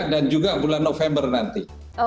dan juga bulan november nanti